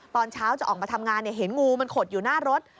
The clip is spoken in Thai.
ตอนเช้าจะออกมาทำงานเห็นงูมันขดอยู่หน้ารถ